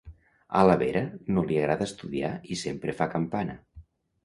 A la Vera no li agrada estudiar i sempre fa campana: